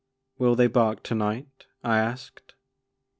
"" Will they bark to night ?" I asked.